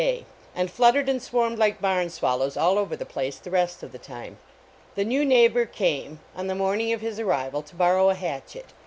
A NEIGHBORLY NEIGHBORHOOD and fluttered and swarmed like barn swal lows all over the place the rest of the time. The new neighbor came, on the morning of his arrival, to borrow a hatchet.